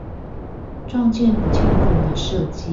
撞見不恰當的設計